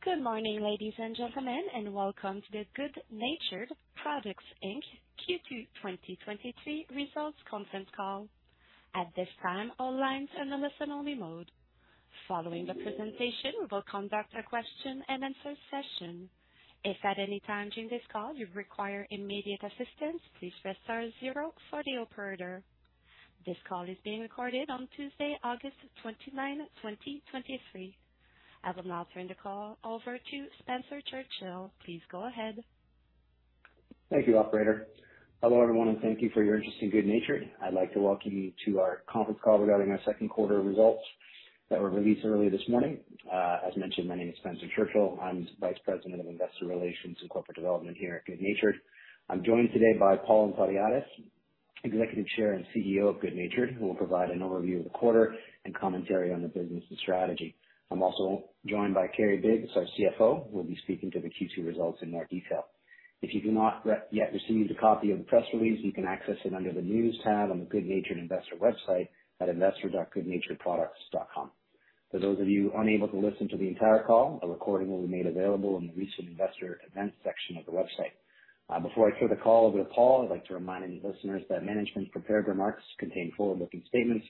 Good morning, ladies and gentlemen, and welcome to the good natured Products Inc. Q2 2023 Results Conference Call. At this time, all lines are in a listen-only mode. Following the presentation, we will conduct a question-and-answer session. If at any time during this call you require immediate assistance, please press star zero for the operator. This call is being recorded on Tuesday, 29 August 2023. I will now turn the call over to Spencer Churchill. Please go ahead. Thank you, Operator. Hello, everyone, and thank you for your interest in good natured. I'd like to welcome you to our conference call regarding our Q2 results that were released earlier this morning. As mentioned, my name is Spencer Churchill. I'm Vice President of Investor Relations and Corporate Development here at good natured. I'm joined today by Paul Antoniadis, Executive Chair and CEO of good natured, who will provide an overview of the quarter and commentary on the business and strategy. I'm also joined by Kerry Biggs, our CFO, who will be speaking to the Q2 results in more detail. If you have not yet received a copy of the press release, you can access it under the News tab on the good natured Investor website at investor.goodnaturedproducts.com. For those of you unable to listen to the entire call, a recording will be made available in the Recent Investor Events section of the website. Before I turn the call over to Paul, I'd like to remind any listeners that management's prepared remarks contain forward-looking statements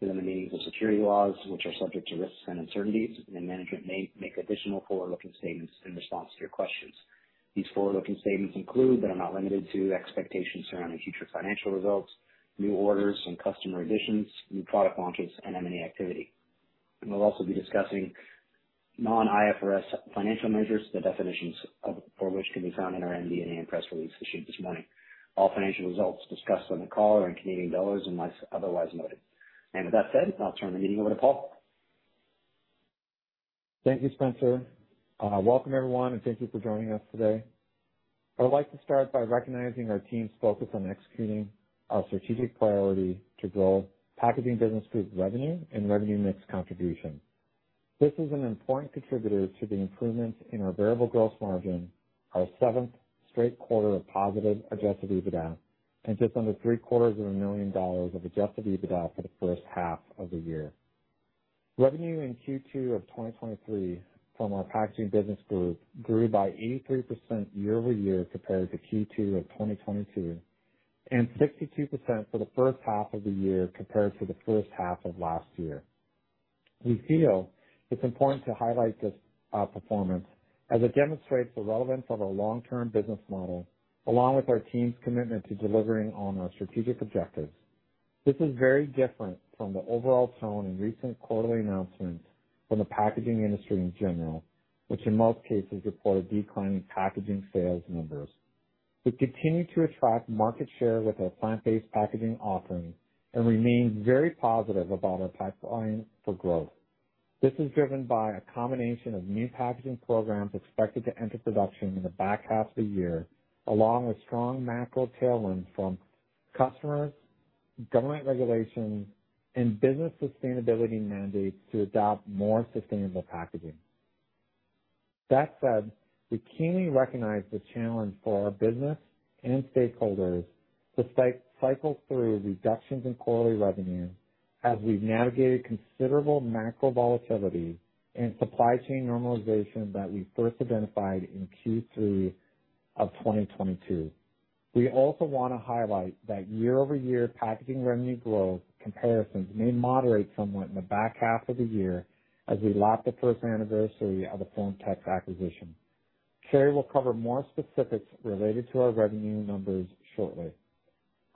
within the meaning of securities laws, which are subject to risks and uncertainties, and management may make additional forward-looking statements in response to your questions. These forward-looking statements include, but are not limited to, expectations surrounding future financial results, new orders and customer additions, new product launches, and M&A activity. We'll also be discussing non-IFRS financial measures, the definitions of which can be found in our MD&A press release issued this morning. All financial results discussed on the call are in Canadian dollars, unless otherwise noted. With that said, I'll turn the meeting over to Paul. Thank you, Spencer. Welcome, everyone, and thank you for joining us today. I'd like to start by recognizing our team's focus on executing our strategic priority to grow packaging business group revenue and revenue mix contribution. This is an important contributor to the improvements in our Variable Gross Margin, our seventh straight quarter of positive Adjusted EBITDA, and just under 750,000 dollars of Adjusted EBITDA for the first half of the year. Revenue in Q2 of 2023 from our packaging business group grew by 83% year-over-year compared to Q2 of 2022, and 62% for the first half of the year compared to the first half of last year. We feel it's important to highlight this performance as it demonstrates the relevance of our long-term business model, along with our team's commitment to delivering on our strategic objectives. This is very different from the overall tone in recent quarterly announcements from the packaging industry in general, which in most cases, report a decline in packaging sales numbers. We continue to attract market share with our plant-based packaging offering and remain very positive about our pipeline for growth. This is driven by a combination of new packaging programs expected to enter production in the back half of the year, along with strong macro tailwinds from customers, government regulations, and business sustainability mandates to adopt more sustainable packaging. That said, we keenly recognize the challenge for our business and stakeholders to cycle through reductions in quarterly revenue as we've navigated considerable macro volatility and supply chain normalization that we first identified in Q3 of 2022. We also want to highlight that year-over-year packaging revenue growth comparisons may moderate somewhat in the back half of the year as we lap the first anniversary of the Form Tech acquisition. Kerry will cover more specifics related to our revenue numbers shortly.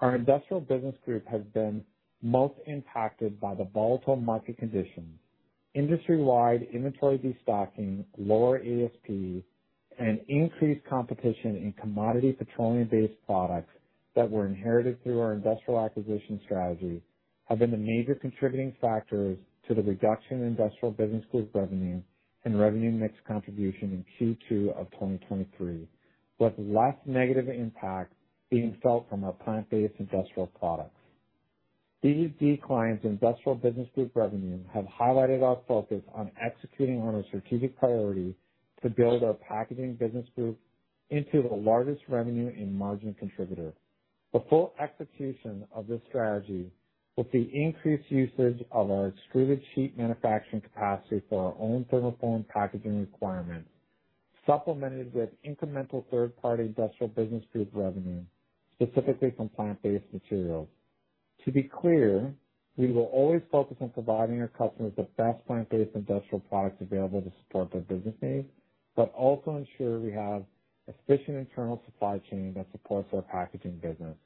Our industrial business group has been most impacted by the volatile market conditions. Industry-wide inventory destocking, lower ASP, and increased competition in commodity petroleum-based products that were inherited through our industrial acquisition strategy have been the major contributing factors to the reduction in industrial business group revenue and revenue mix contribution in Q2 of 2023, with less negative impact being felt from our plant-based industrial products. These declines in industrial business group revenue have highlighted our focus on executing on our strategic priority to build our packaging business group into the largest revenue and margin contributor. The full execution of this strategy will see increased usage of our extruded sheet manufacturing capacity for our own thermoform packaging requirements, supplemented with incremental third-party industrial business group revenue, specifically from plant-based materials. To be clear, we will always focus on providing our customers the best plant-based industrial products available to support their business needs, but also ensure we have efficient internal supply chain that supports our packaging business.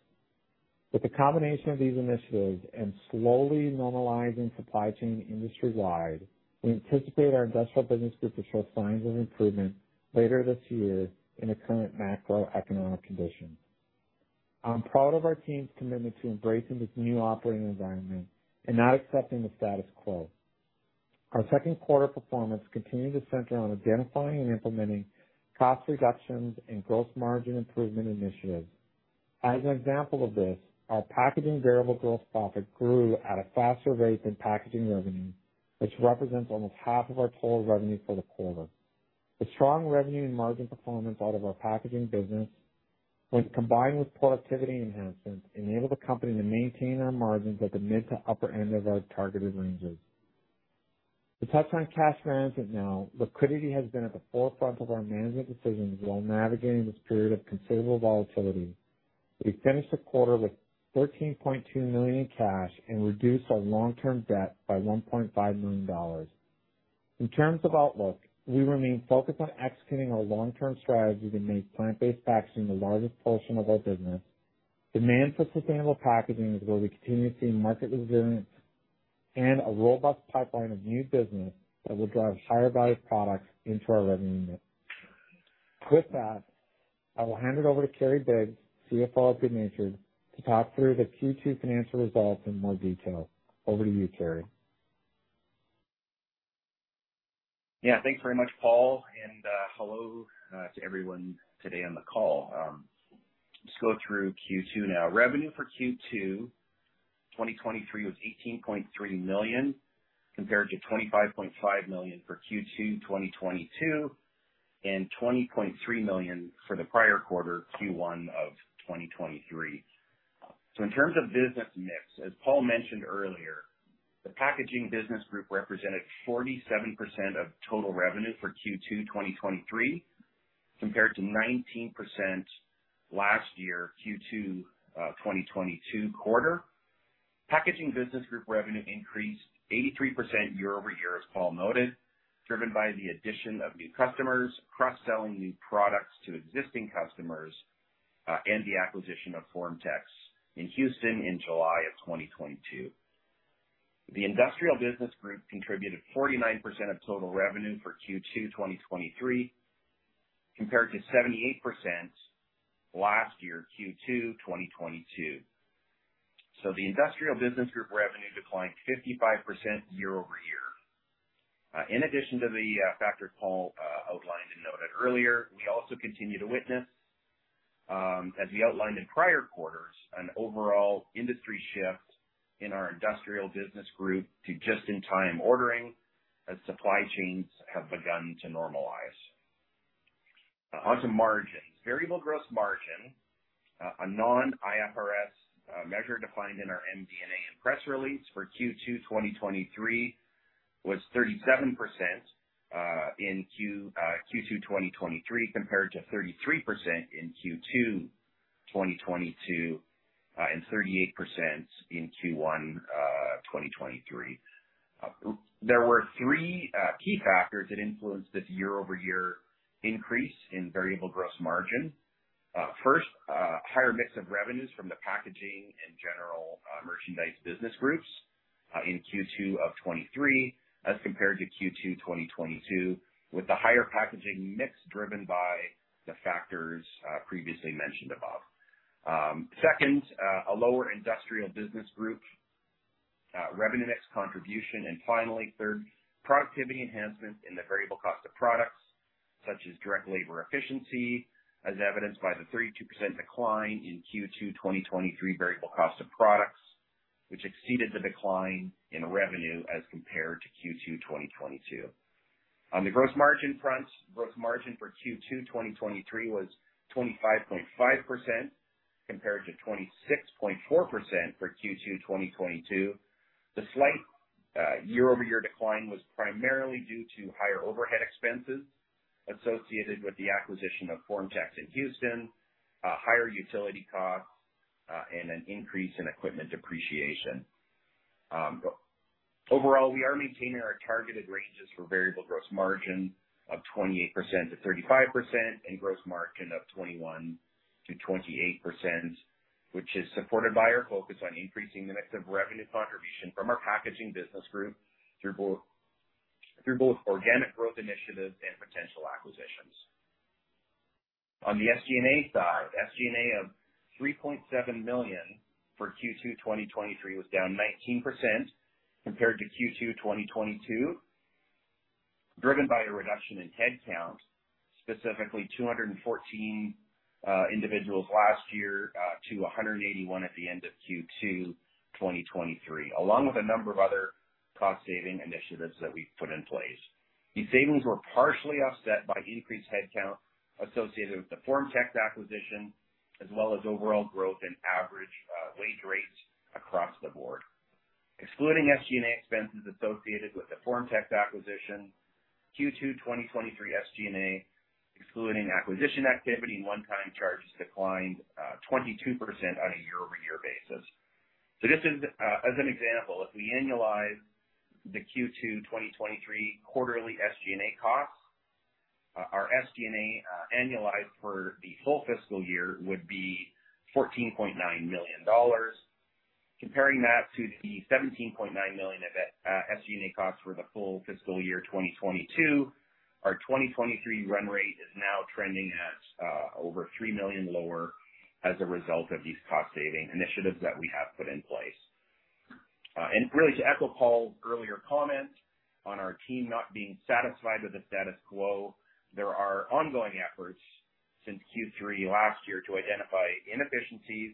With the combination of these initiatives and slowly normalizing supply chain industry-wide, we anticipate our industrial business group to show signs of improvement later this year in the current macroeconomic conditions. I'm proud of our team's commitment to embracing this new operating environment and not accepting the status quo. Our Q2 performance continued to center on identifying and implementing cost reductions and gross margin improvement initiatives. As an example of this, our packaging variable gross profit grew at a faster rate than packaging revenue, which represents almost half of our total revenue for the quarter. The strong revenue and margin performance out of our packaging business when combined with productivity enhancements, enable the company to maintain our margins at the mid to upper end of our targeted ranges. To touch on cash management now, liquidity has been at the forefront of our management decisions while navigating this period of considerable volatility. We finished the quarter with 13.2 million in cash and reduced our long-term debt by 1.5 million dollars. In terms of outlook, we remain focused on executing our long-term strategy to make plant-based packaging the largest portion of our business. Demand for sustainable packaging is where we continue to see market resilience and a robust pipeline of new business that will drive higher value products into our revenue mix. With that, I will hand it over to Kerry Biggs, CFO of good natured, to talk through the Q2 financial results in more detail. Over to you, Kerry. Yeah, thanks very much, Paul, and hello to everyone today on the call. Let's go through Q2 now. Revenue for Q2, 2023, was 18.3 million, compared to 25.5 million for Q2 2022, and 20.3 million for the prior quarter, Q1 of 2023. So in terms of business mix, as Paul mentioned earlier, the packaging business group represented 47% of total revenue for Q2 2023, compared to 19% last year, Q2 2022 quarter. Packaging business group revenue increased 83% year-over-year, as Paul noted, driven by the addition of new customers, cross-selling new products to existing customers, and the acquisition of FormTex in Houston in July of 2022. The industrial business group contributed 49% of total revenue for Q2 2023, compared to 78% last year, Q2 2022. So the industrial business group revenue declined 55% year-over-year. In addition to the factors Paul outlined and noted earlier, we also continue to witness, as we outlined in prior quarters, an overall industry shift in our industrial business group to just-in-time ordering as supply chains have begun to normalize. Onto margins. Variable Gross Margin, a non-IFRS measure defined in our MD&A and press release for Q2 2023, was 37% in Q2 2023, compared to 33% in Q2 2022, and 38% in Q1 2023. There were three key factors that influenced this year-over-year increase in Variable Gross Margin. First, higher mix of revenues from the packaging and general merchandise business groups in Q2 2023, as compared to Q2 2022, with the higher packaging mix driven by the factors previously mentioned above. Second, a lower industrial business group revenue mix contribution. And finally, third, productivity enhancements in the variable cost of products, such as direct labor efficiency, as evidenced by the 32% decline in Q2 2023 variable cost of products, which exceeded the decline in revenue as compared to Q2 2022. On the gross margin front, gross margin for Q2 2023 was 25.5%, compared to 26.4% for Q2 2022. The slight year-over-year decline was primarily due to higher overhead expenses associated with the acquisition of FormTex in Houston, higher utility costs, and an increase in equipment depreciation. Overall, we are maintaining our targeted ranges for variable gross margin of 28% to 35% and gross margin of 21% to 28%, which is supported by our focus on increasing the mix of revenue contribution from our packaging business group through both organic growth initiatives and potential acquisitions. On the SG&A side, SG&A of 3.7 million for Q2 2023 was down 19% compared to Q2 2022, driven by a reduction in headcount, specifically 214 individuals last year to 181 at the end of Q2 2023, along with a number of other cost-saving initiatives that we've put in place. These savings were partially offset by increased headcount associated with the FormTex acquisition, as well as overall growth in average wage rates across the board. Excluding SG&A expenses associated with the FormTex acquisition, Q2 2023 SG&A, excluding acquisition activity and one-time charges, declined 22% on a year-over-year basis. So just as an example, if we annualize the Q2 2023 quarterly SG&A costs, our SG&A annualized for the full fiscal year would be 14.9 million dollars. Comparing that to the 17.9 million of SG&A costs for the full fiscal year 2022, our 2023 run rate is now trending at over 3 million lower as a result of these cost-saving initiatives that we have put in place. And really, to echo Paul's earlier comment on our team not being satisfied with the status quo, there are ongoing efforts since Q3 last year to identify inefficiencies,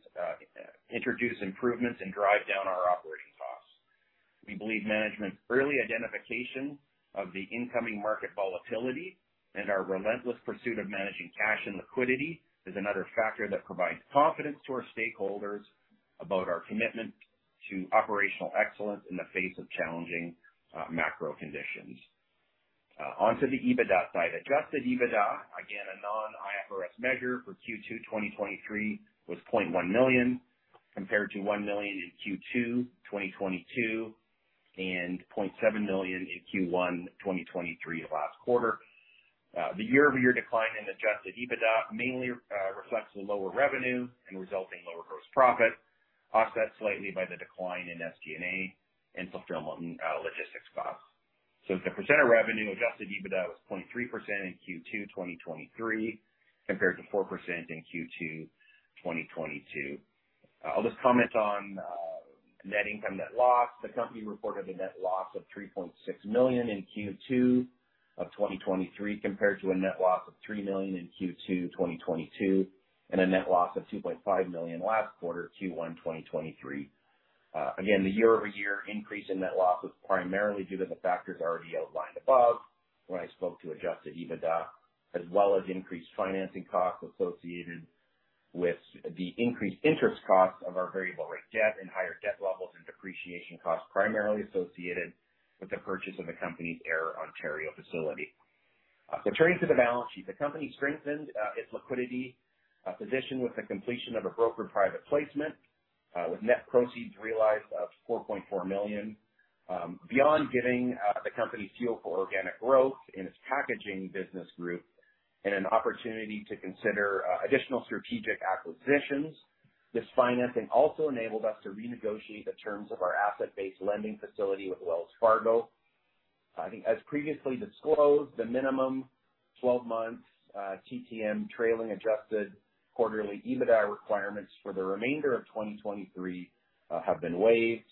introduce improvements, and drive down our operations costs. We believe management's early identification of the incoming market volatility and our relentless pursuit of managing cash and liquidity is another factor that provides confidence to our stakeholders about our commitment to operational excellence in the face of challenging, macro conditions. Onto the EBITDA side. Adjusted EBITDA, again, a non-IFRS measure for Q2 2023, was 0.1 million, compared to 1 million in Q2 2022, and 0.7 million in Q1 2023, last quarter. The year-over-year decline in adjusted EBITDA mainly reflects the lower revenue and resulting lower gross profit, offset slightly by the decline in SG&A and fulfillment and, logistics costs. So as a percent of revenue, Adjusted EBITDA was 0.3% in Q2 2023, compared to 4% in Q2 2022. I'll just comment on net income, net loss. The company reported a net loss of 3.6 million in Q2 of 2023, compared to a net loss of 3 million in Q2 2022, and a net loss of 2.5 million last quarter, Q1 2023. Again, the year-over-year increase in net loss was primarily due to the factors already outlined above when I spoke to Adjusted EBITDA, as well as increased financing costs associated with the increased interest costs of our variable rate debt and higher debt levels and depreciation costs, primarily associated with the purchase of the company's Ayr, Ontario, facility. So turning to the balance sheet, the company strengthened its liquidity position with the completion of a brokered private placement with net proceeds realized of 4.4 million. Beyond giving the company fuel for organic growth in its packaging business group and an opportunity to consider additional strategic acquisitions, this financing also enabled us to renegotiate the terms of our asset-based lending facility with Wells Fargo. I think as previously disclosed, the minimum 12 months TTM trailing adjusted quarterly EBITDA requirements for the remainder of 2023 have been waived.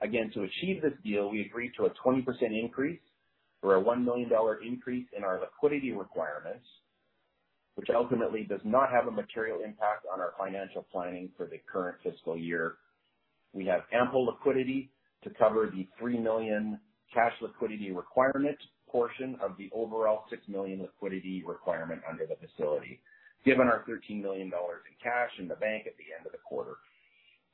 Again, to achieve this deal, we agreed to a 20% increase or a 1 million dollar increase in our liquidity requirements, which ultimately does not have a material impact on our financial planning for the current fiscal year. We have ample liquidity to cover the 3 million cash liquidity requirement portion of the overall 6 million liquidity requirement under the facility, given our 13 million dollars in cash in the bank at the end of the quarter.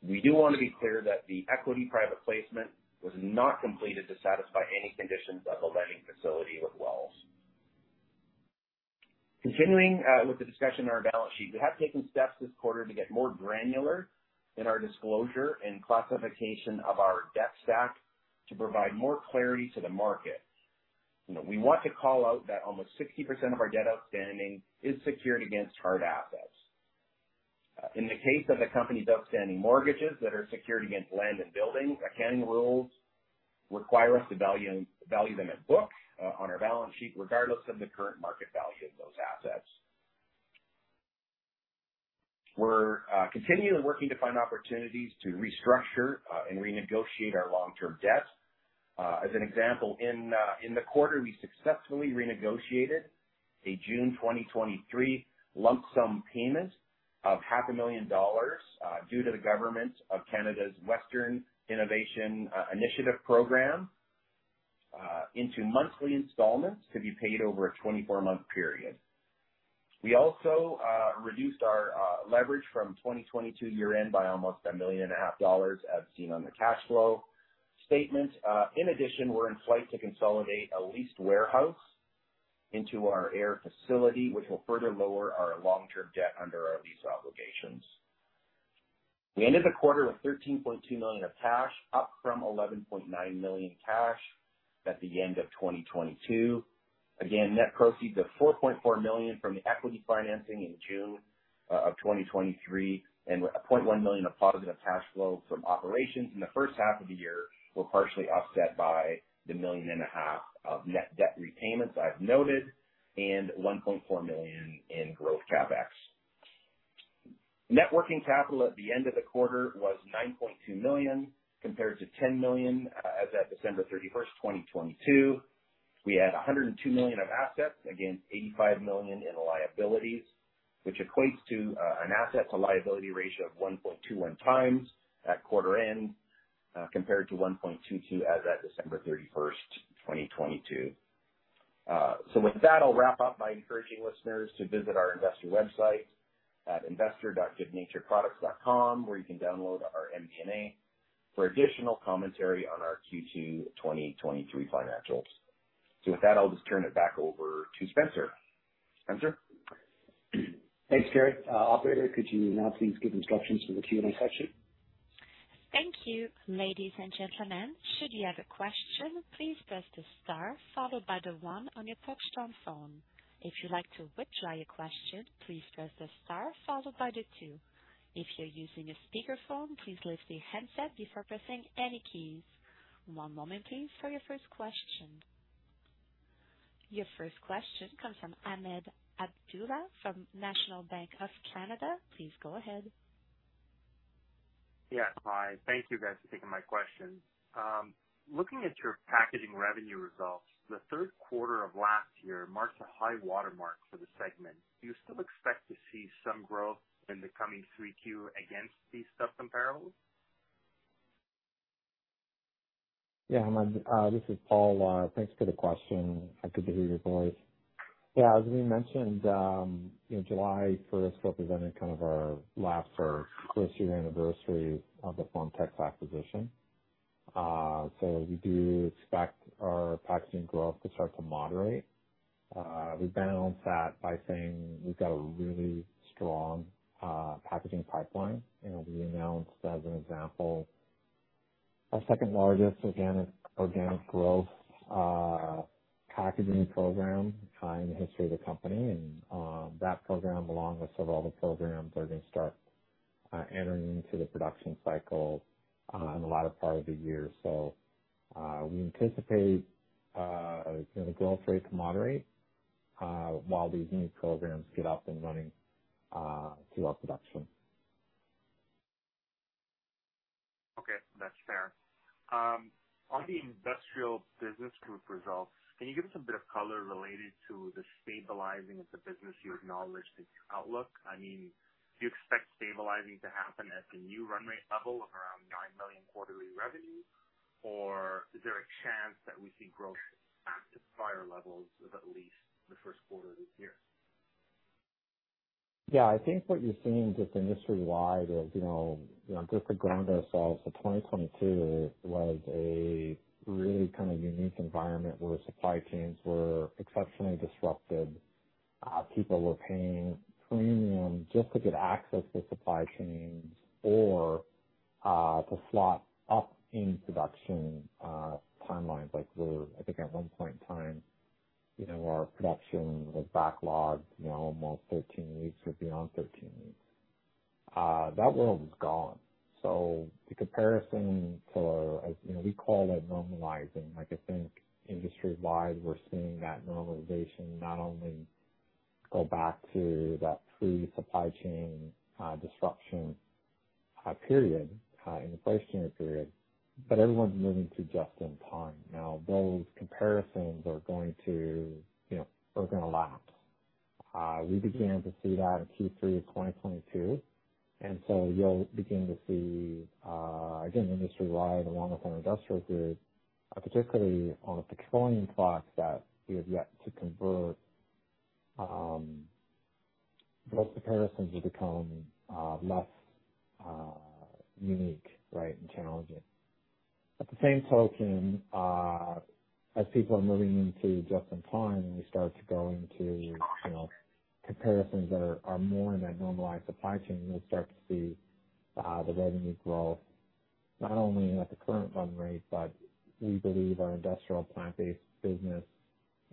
We do want to be clear that the equity private placement was not completed to satisfy any conditions of the lending facility with Wells. Continuing with the discussion on our balance sheet, we have taken steps this quarter to get more granular in our disclosure and classification of our debt stack to provide more clarity to the market. You know, we want to call out that almost 60% of our debt outstanding is secured against hard assets. In the case of the company's outstanding mortgages that are secured against land and buildings, accounting rules require us to value them at book on our balance sheet, regardless of the current market value of those assets. We're continually working to find opportunities to restructure and renegotiate our long-term debt. As an example, in the quarter, we successfully renegotiated a June 2023 lump sum payment of 500,000 dollars due to the government of Canada's Western Innovation Initiative program into monthly installments to be paid over a 24-month period. We also reduced our leverage from 2022 year-end by almost 1.5 million, as seen on the cash flow statement. In addition, we're in flight to consolidate a leased warehouse into our Ayr facility, which will further lower our long-term debt under our lease obligations. We ended the quarter with 13.2 million of cash, up from 11.9 million in cash at the end of 2022. Again, net proceeds of 4.4 million from the equity financing in June of 2023, and 0.1 million of positive cash flow from operations in the first half of the year were partially offset by the 1.5 million of net debt repayments I've noted, and 1.4 million in growth CapEx. Net working capital at the end of the quarter was 9.2 million, compared to 10 million as at 31 December 2022. We had 102 million of assets against 85 million in liabilities, which equates to, an asset to liability ratio of 1.21 times at quarter end, compared to 1.22 as at 31 December 2022. So with that, I'll wrap up by encouraging listeners to visit our investor website at investor.goodnaturedproducts.com, where you can download our MD&A for additional commentary on our Q2 2023 financials. So with that, I'll just turn it back over to Spencer. Spencer? Thanks, Kerry. Operator, could you now please give instructions for the Q&A session? Thank you. Ladies and gentlemen, should you have a question, please press the star followed by the one on your phone. If you'd like to withdraw your question, please press the star followed by the two. If you're using a speakerphone, please lift your handset before pressing any keys. One moment, please, for your first question. Your first question comes from Ahmad Abdullah from National Bank of Canada. Please go ahead. Yeah. Hi. Thank you, guys, for taking my question. Looking at your packaging revenue results, the Q3 of last year marks a high watermark for the segment. Do you still expect to see some growth in the coming Q3 against these tough comparables? Yeah, Ahmed, this is Paul. Thanks for the question. Happy to hear your voice. Yeah, as we mentioned, you know, July first represented kind of our last or first year anniversary of the FormTex acquisition. So we do expect our packaging growth to start to moderate. We've been on that by saying we've got a really strong packaging pipeline, and we announced, as an example, our second largest organic, organic growth packaging program in the history of the company. And that program, along with several other programs, are going to start entering into the production cycle in the latter part of the year. So we anticipate, you know, the growth rate to moderate while these new programs get up and running through our production. Okay, that's fair. On the industrial business group results, can you give us a bit of color related to the stabilizing of the business you acknowledged in your outlook? I mean, do you expect stabilizing to happen at the new run rate level of around 9 million quarterly revenue, or is there a chance that we see growth back to prior levels, at least the Q1 of this year? Yeah, I think what you're seeing just industry-wide is, you know, you know, just to ground ourselves, so 2022 was a really kind of unique environment where supply chains were exceptionally disrupted. People were paying premium just to get access to supply chains or to slot up in production timelines. Like we're—I think at one point in time, you know, our production was backlogged, you know, almost 13 weeks or beyond 13 weeks. That world is gone. So the comparison to, as you know, we call it normalizing, like I think industry-wide, we're seeing that normalization not only go back to that pre-supply chain disruption period, inflation period, but everyone's moving to just in time. Now, those comparisons are going to, you know, are gonna lapse. We began to see that in Q3 of 2022, and so you'll begin to see, again, industry-wide, along with our industrial group, particularly on the petroleum products that we have yet to convert, those comparisons will become, less, unique, right, and challenging. At the same token, as people are moving into just in time, we start to go into, you know, comparisons that are, are more in that normalized supply chain. We'll start to see, the revenue growth, not only at the current run rate, but we believe our industrial plant-based business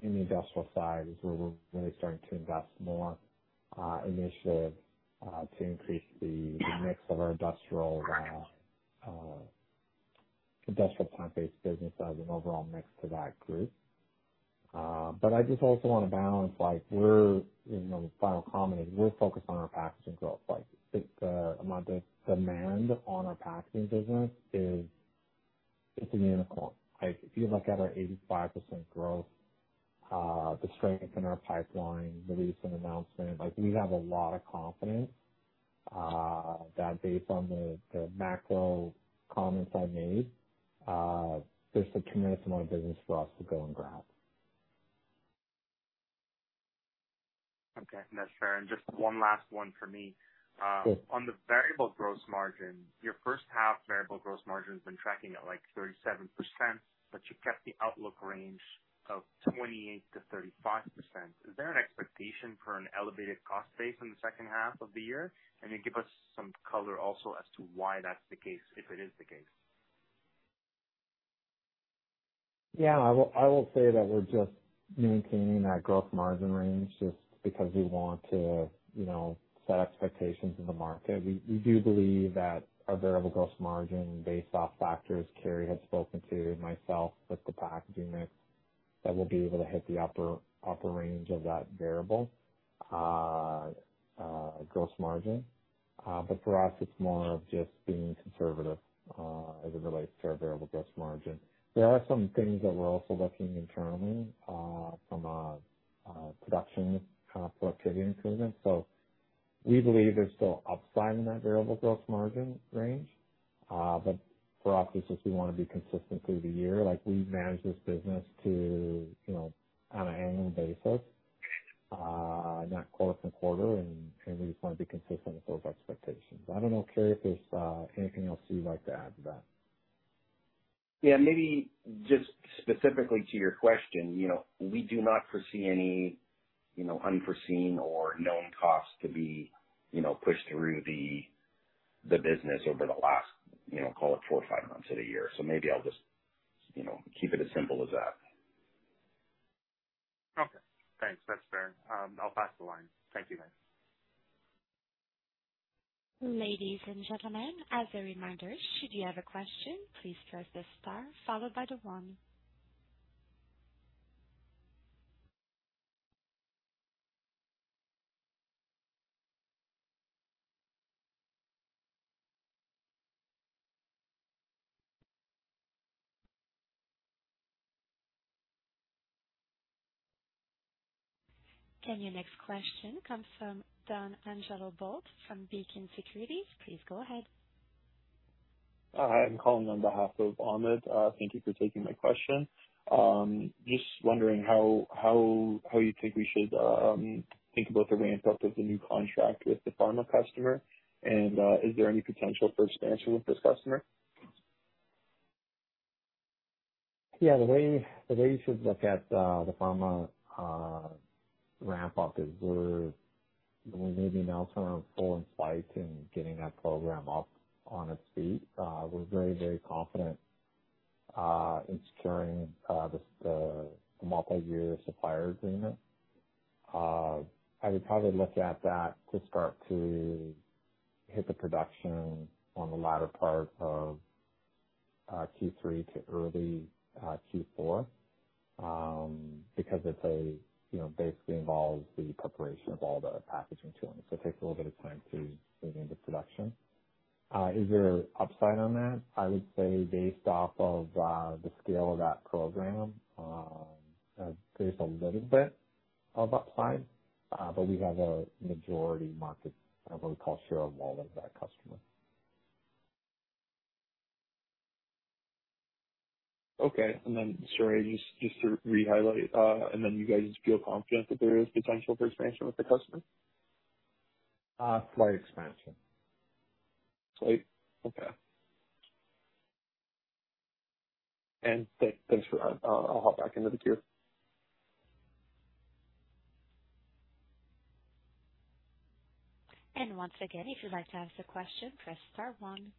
in the industrial side is where we're really starting to invest more, initiative, to increase the mix of our industrial, industrial plant-based business as an overall mix to that group. But I just also want to balance, like we're, you know, final comment is we're focused on our packaging growth. Like, I think, Ahmed, the demand on our packaging business is, it's a unicorn. Like, if you look at our 85% growth, the strength in our pipeline, the recent announcement, like, we have a lot of confidence, that based on the, the macro comments I made, there's a tremendous amount of business for us to go and grab. Okay, that's fair. Just one last one for me. Sure. On the Variable Gross Margin, your first half Variable Gross Margin has been tracking at, like, 37%, but you kept the outlook range of 28% to 35%. Is there an expectation for an elevated cost base in the second half of the year? Can you give us some color also as to why that's the case, if it is the case? Yeah, I will say that we're just maintaining that gross margin range just because we want to, you know, set expectations in the market. We do believe that our variable gross margin based off factors Kerry has spoken to, myself with the packaging mix, that we'll be able to hit the upper range of that variable gross margin. But for us, it's more of just being conservative as it relates to our variable gross margin. There are some things that we're also looking internally from a production kind of productivity improvement. So we believe there's still upside in that variable gross margin range. But for us, it's just we want to be consistent through the year, like we manage this business to, you know, on an annual basis, not quarter-to-quarter, and, and we just want to be consistent with those expectations. I don't know, Kerry, if there's anything else you'd like to add to that. Yeah, maybe just specifically to your question, you know, we do not foresee any, you know, unforeseen or known costs to be, you know, pushed through the business over the last, you know, call it four or five months of the year. So maybe I'll just, you know, keep it as simple as that. Okay, thanks. That's fair. I'll pass the line. Thank you, guys. Ladies and gentlemen, as a reminder, should you have a question, please press star one. Your next question comes from D'Angelo Volpe from Beacon Securities. Please go ahead. Hi, I'm calling on behalf of Ahmed. Thank you for taking my question. Just wondering how you think we should think about the ramp-up of the new contract with the pharma customer? And, is there any potential for expansion with this customer? Yeah, the way you should look at the pharma ramp-up is we're moving now to full-on spike in getting that program up on its feet. We're very, very confident in securing the multi-year supplier agreement. I would probably look at that to start to hit the production on the latter part of Q3 to early Q4, because it's a... You know, basically involves the preparation of all the packaging tooling, so it takes a little bit of time to get into production. Is there upside on that? I would say based off of the scale of that program, there's a little bit of upside, but we have a majority market, what we call share of wallet with that customer. Okay. And then, sorry, just to re-highlight, and then you guys feel confident that there is potential for expansion with the customer? Slight expansion. Slight. Okay. Thanks, thanks for that. I'll, I'll hop back into the queue. And once again, if you'd like to ask a question, press star one.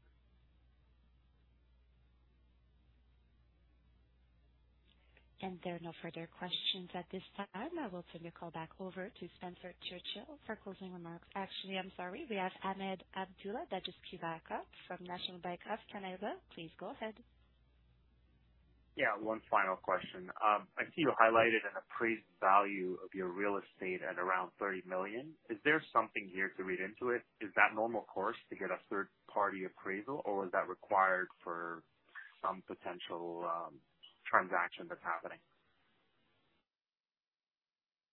And there are no further questions at this time. I will turn your call back over to Spencer Churchill for closing remarks. Actually, I'm sorry, we have Ahmed Abdullah, that is from National Bank of Canada. Please go ahead. Yeah, one final question. I see you highlighted an appraised value of your real estate at around 30 million. Is there something here to read into it? Is that normal course to get a third-party appraisal, or is that required for some potential transaction that's happening?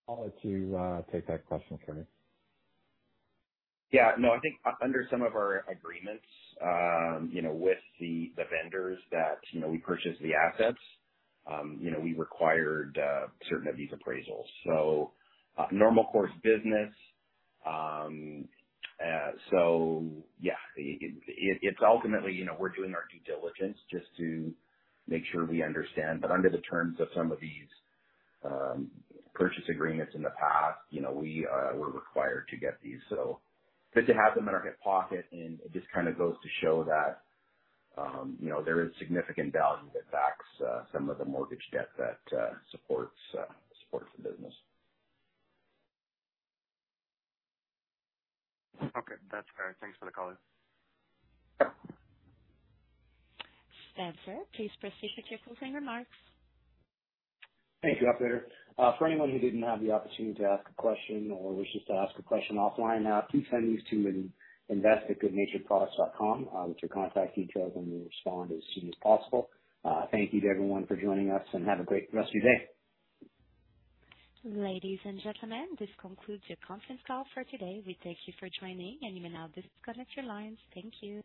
I'll let you take that question, Kerry. Yeah, no, I think under some of our agreements, you know, with the vendors that, you know, we purchased the assets, you know, we required certain of these appraisals. So, normal course business. So yeah, it's ultimately, you know, we're doing our due diligence just to make sure we understand. But under the terms of some of these purchase agreements in the past, you know, we, we're required to get these, so good to have them in our hip pocket, and it just kind of goes to show that, you know, there is significant value that backs some of the mortgage debt that supports the business. Okay, that's fair. Thanks for the call. Spencer, please proceed with your closing remarks. Thank you, operator. For anyone who didn't have the opportunity to ask a question or wishes to ask a question offline, please send these to invest@goodnaturedproducts.com, with your contact details, and we'll respond as soon as possible. Thank you to everyone for joining us, and have a great rest of your day. Ladies and gentlemen, this concludes your conference call for today. We thank you for joining, and you may now disconnect your lines. Thank you.